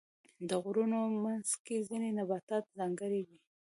د غرونو منځ کې ځینې نباتات ځانګړي وي.